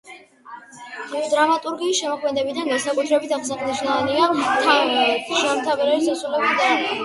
დრამატურგის შემოქმედებიდან განსაკუთრებით აღსანიშნავია: „ჟამთაბერის ასული“, „მეზობლები“, „ჩვენებურები“, „ბუღარა“ და სხვები.